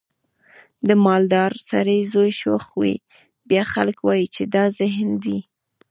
د مالدار سړي زوی شوخ وي بیا خلک وایي چې دا ذهین دی.